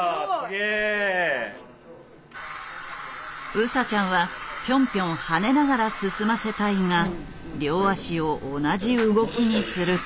ウサちゃんはピョンピョン跳ねながら進ませたいが両脚を同じ動きにすると。